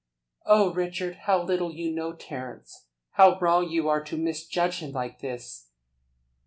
"Oh, Richard, how little you know Terence! How wrong you are to misjudge him like this!"